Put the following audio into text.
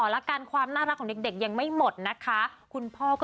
แล้วกันความน่ารักของเด็กยังไม่หมดนะคะคุณพ่อก็